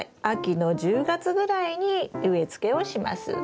秋の１０月ぐらいに植え付けをします。